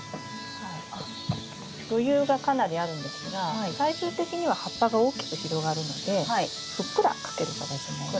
余裕がかなりあるんですが最終的には葉っぱが大きく広がるのでふっくらかける形になります。